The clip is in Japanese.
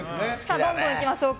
どんどんいきましょうか。